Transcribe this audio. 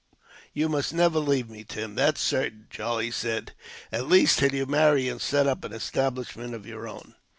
"You must never leave me, Tim, that's certain," Charlie said. "At least, till you marry and set up an establishment of your own."